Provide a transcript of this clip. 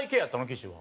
岸は。